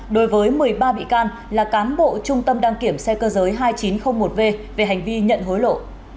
đối với một mươi ba bị can là cán bộ trung tâm đăng kiểm xe cơ giới hai nghìn chín trăm linh một v về hành vi nhận hối lộ